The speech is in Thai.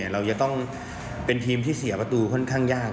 เราจะต้องเป็นทีมที่เสียประตูค่อนข้างยาก